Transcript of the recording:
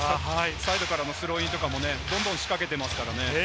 サイドからのスローインとかもね、どんどん仕掛けてますからね。